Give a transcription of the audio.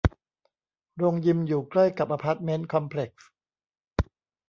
โรงยิมอยู่ใกล้กับอพาร์ตเมนต์คอมเพล็กซ์